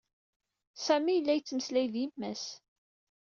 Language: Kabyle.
Sami yella ittmeslay d yemma-s.